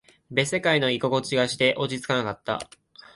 別世界の居心地がして、落ち着かなかった。